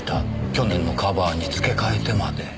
去年のカバーにつけ替えてまで。